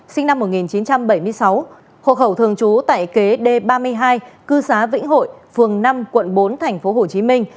sinh năm một nghìn chín trăm bảy mươi sáu hộ khẩu thường trú tại kế d ba mươi hai cư xá vĩnh hội phường năm quận bốn thành phố hồ chí minh